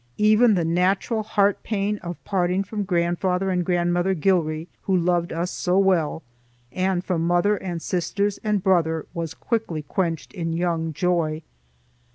Even the natural heart pain of parting from grandfather and grandmother Gilrye, who loved us so well, and from mother and sisters and brother was quickly quenched in young joy.